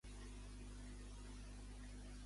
Avui a quin cinema de Vallcarca fan "Reservoir dogs"?